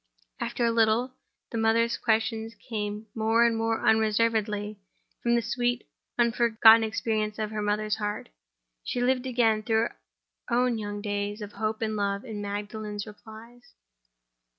After a little, the mother's questions came more and more unreservedly from the sweet, unforgotten experience of the mother's heart. She lived again through her own young days of hope and love in Magdalen's replies.